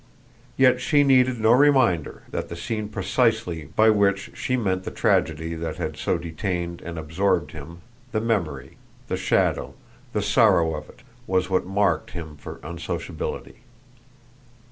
Yet she needed no reminder that the scene precisely by which she meant the tragedy that had so detained and absorbed him, the memory, the shadow, the sorrow of it was what marked him for unsociability.